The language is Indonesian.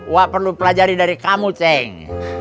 wah perlu pelajari dari kamu ceng